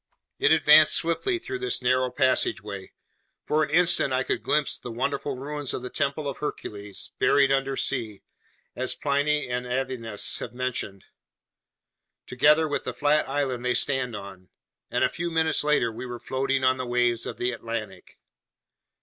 It advanced swiftly through this narrow passageway. For an instant I could glimpse the wonderful ruins of the Temple of Hercules, buried undersea, as Pliny and Avianus have mentioned, together with the flat island they stand on; and a few minutes later, we were floating on the waves of the Atlantic.